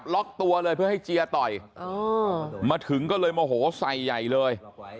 ล็อกตัวเลยเพื่อให้เจียต่อยมาถึงก็เลยโมโหใส่ใหญ่เลย